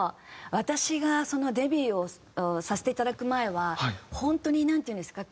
私がデビューをさせていただく前は本当になんていうんですか？